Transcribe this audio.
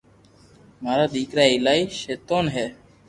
مارا ديڪرا ايلائي ݾيطئن ھي